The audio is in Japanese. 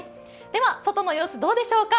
では、外の様子どうでしょうか。